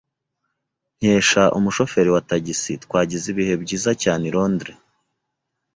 Nkesha umushoferi wa tagisi, twagize ibihe byiza cyane i Londres.